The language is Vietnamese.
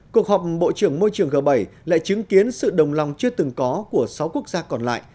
cuộc họp bộ trưởng môi trường g bảy lại chứng kiến sự đồng lòng chưa từng có của sáu quốc gia còn lại